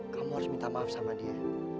kamu harus minta maaf sama dia